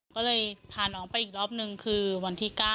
ก็เลยพาน้องไปอีกรอบนึงคือวันที่๙